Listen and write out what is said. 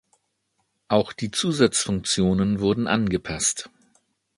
Auch die Zusatzfunktionen wurden angepasst.